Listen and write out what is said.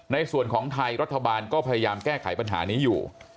ในส่วนของไทยรัฐบาลก็พยายามแก้ไขปัญหานี้อยู่